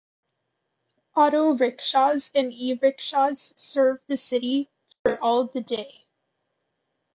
Auto Rickshaws and E Rickshaws serve the city for all the day.